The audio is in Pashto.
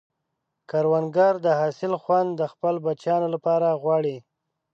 کروندګر د حاصل خوند د خپلو بچیانو لپاره غواړي